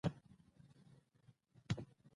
د پکتیکا په دیله کې د کرومایټ نښې شته.